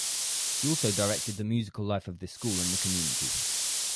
He also directed the musical life of this school and the community.